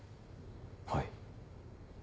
はい。